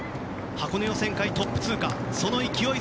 箱根予選会トップ通過その勢い